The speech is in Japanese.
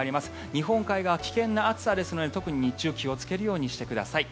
日本海側、危険な暑さですので特に日中気をつけるようにしてください。